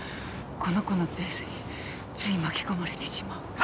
この子のペースについ巻き込まれてしまう。